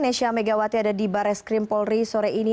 nesha megawati ada di barres krim polri sore ini